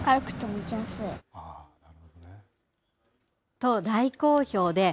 と、大好評で。